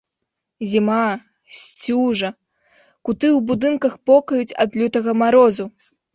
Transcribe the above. Зіма, сцюжа, куты ў будынках покаюць ад лютага марозу.